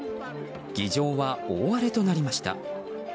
議場は大荒れとなりました。